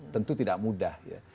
tentu tidak mudah ya